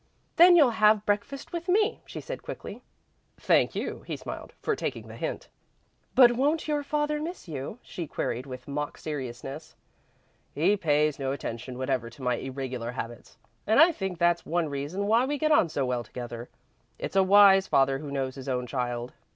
"Then you'll have breakfast with me," she said, quickly. "Thank you," he smiled, "for taking the hint." "But won't your father miss you?" she queried, with mock seriousness. "He pays no attention whatever to my irregular habits, and I think that's one reason why we get on so well together. It's a wise father who knows his own child."